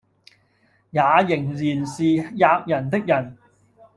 也仍然是喫人的人。